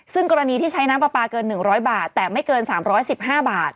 ซึ่งกรณีที่ใช้น้ำปลาปลาเกิน๑๐๐บาทแต่ไม่เกิน๓๑๕บาท